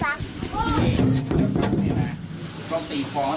พี่ติดนะต้องตีฟ้อด้วย